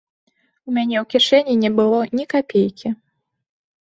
У мяне ў кішэні не было ні капейкі!